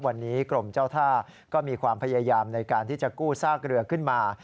วันนี้กรมเจ้าท่าก็มีความพยายามในการที่จะกู้ซากเรือขึ้นมา